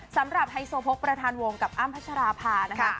สำหรับไฮโซโพกประธานวงกับอ้ามพัชราภานะคะ